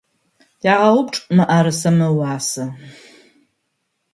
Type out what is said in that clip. Тягъэупчӏ мыӏэрысэм ыуасэ.